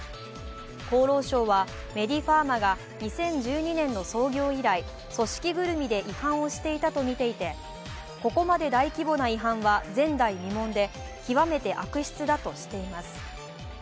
厚労省はメディファーマが２０１２年の創業以来、組織ぐるみで違反をしていたとみていてここまで大規模な違反は前代未聞で極めて悪質だとしています。